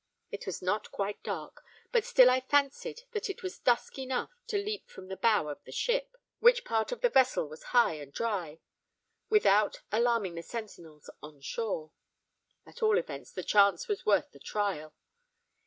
It was not quite dark; but still I fancied that it was dusk enough to leap from the bow of the ship, which part of the vessel was high and dry, without alarming the sentinels on shore. At all events the chance was worth the trial.